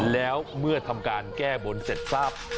แล้วเมื่อทำการแก้บนเสร็จทราบ